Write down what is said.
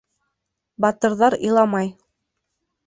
Батырҙар иламай!